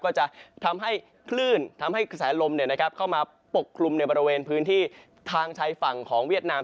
ก็จะทำให้คลื่นทำให้กระแสลมเข้ามาปกคลุมในบริเวณพื้นที่ทางชายฝั่งของเวียดนาม